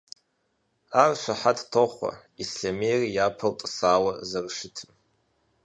Ар щыхьэт тохъуэ Ислъэмейр япэу тӀысауэ зэрыщытым.